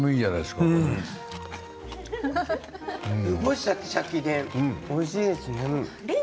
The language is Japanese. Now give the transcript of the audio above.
すごいシャキシャキでおいしいですね。